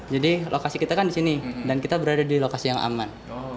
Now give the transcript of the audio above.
jadi lokasi kita kan di sini dan kita berada di lokasi yang aman